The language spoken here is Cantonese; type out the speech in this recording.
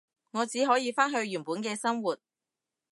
我只可以返去原本嘅生活